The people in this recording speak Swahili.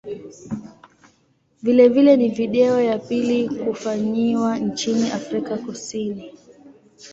Vilevile ni video ya pili kufanyiwa nchini Afrika Kusini.